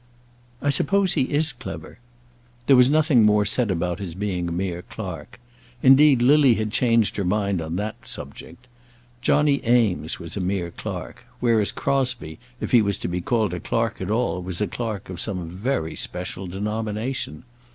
"I suppose he is clever." There was nothing more said about his being a mere clerk. Indeed, Lily had changed her mind on that subject. Johnny Eames was a mere clerk; whereas Crosbie, if he was to be called a clerk at all, was a clerk of some very special denomination.